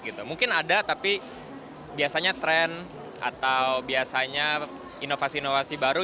mungkin ada tapi biasanya tren atau biasanya inovasi inovasi baru